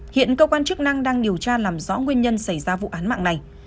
hiện cơ quan chức năng đang điều tra làm rõ nguyên nhân xảy ra vụ án mạng này